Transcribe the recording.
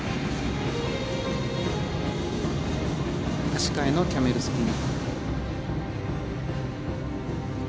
足換えのキャメルスピン。